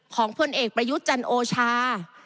ของผลเอกประยุจรรโอชา